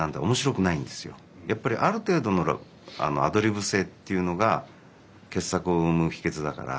やっぱりある程度のアドリブ性っていうのが傑作を生む秘けつだから。